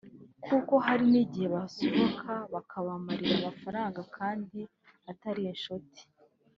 kuko hari n’igihe basohokana bakabamarira amafaranga kandi atari inshuti